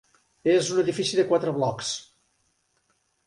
És un edifici de quatre blocs.